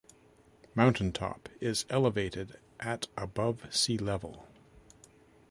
Mountain Top is elevated at above sea level.